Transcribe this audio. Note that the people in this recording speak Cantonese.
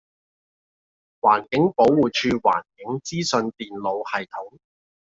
環境保護署環境資訊電腦系統